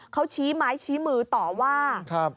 เขาชี้ไม้ชี้มือต่อว่า